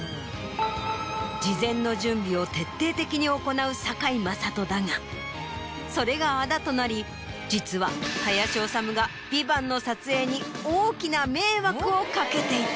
事前の準備を徹底的に行う堺雅人だがそれが仇となり実は林修が『ＶＩＶＡＮＴ』の撮影に大きな迷惑をかけていた。